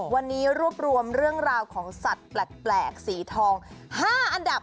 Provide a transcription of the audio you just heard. วันนี้รวบรวมเรื่องราวของสัตว์แปลกสีทอง๕อันดับ